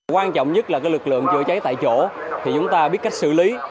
quan trọng nhất là lực lượng chữa cháy tại chỗ thì chúng ta biết cách xử lý